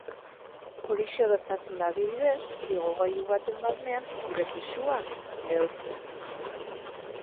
Horixe gertatzen da, adibidez, igogailu baten barnean geure pisua neurtzean.